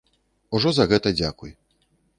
Ужо за гэта дзякуй.